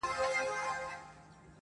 له پردي جنګه یې ساته زما د خاوري -